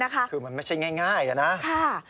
คือมันไม่ใช่ง่ายน่ะนะค่ะค่ะ